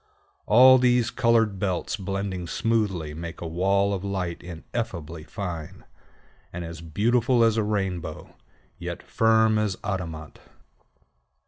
All these colored belts blending smoothly make a wall of light ineffably fine, and as beautiful as a rainbow, yet firm as adamant.